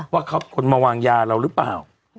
ว่าเขาคนมาวางยาเราหรือเปล่า